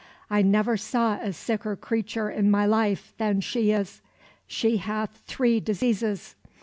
I never saw a sicker creature in my life than she is. She hath three diseases....